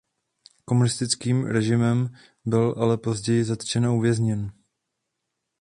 Komunistickým režimem byl ale později zatčen a uvězněn.